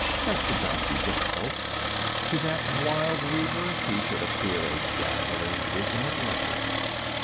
That should not be difficult. To that wild reaver she should appear a dazzling vision of loveliness.